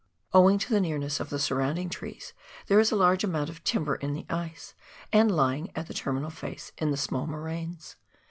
Owing to the nearness of the surrounding trees there is a large amount of timber in the ice and lying at the terminal face in the small moraines.